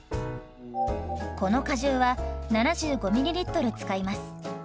この果汁は７５ｍｌ使います。